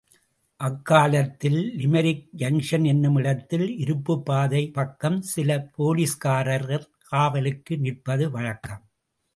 அக்காலத்தில்லிமெரிக் junction என்னுமிடத்தில் இருப்புப் பாதை பக்கம் சில போலீஸ்காரர் காவலுக்கு நிற்பது வழக்கம்.